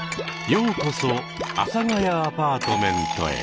ようこそ「阿佐ヶ谷アパートメント」へ。